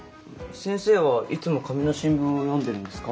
先生はいつも紙の新聞を読んでるんですか？